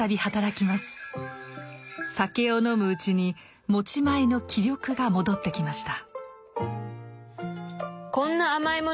酒を飲むうちに持ち前の気力が戻ってきました。